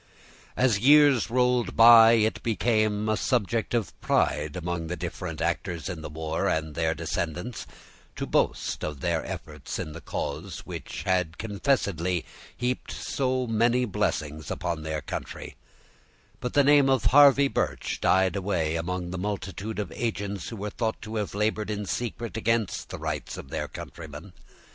As years rolled by, it became a subject of pride among the different actors in the war, and their descendants, to boast of their efforts in the cause which had confessedly heaped so many blessings upon their country; but the name of Harvey Birch died away among the multitude of agents who were thought to have labored in secret against the rights of their countrymen.